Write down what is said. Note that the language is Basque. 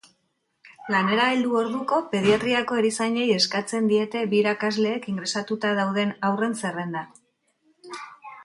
Lanera heldu orduko pediatriako erizainei eskatzen diete bi irakasleek ingresatuta dauden haurren zerrenda.